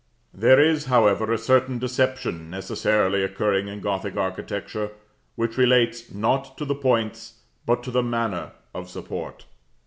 There is, however, a certain deception necessarily occurring in Gothic architecture, which relates, not to the points, but to the manner, of support.